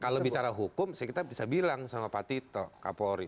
kalau bicara hukum kita bisa bilang sama pak tito kapolri